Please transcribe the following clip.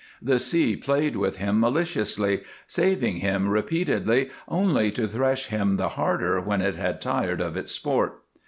The sea played with him maliciously, saving him repeatedly, only to thresh him the harder when it had tired of its sport.